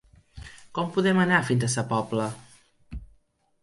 Com podem anar fins a Sa Pobla?